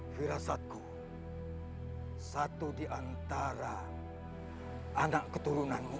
firasatku satu di antara anak keturunanmu itu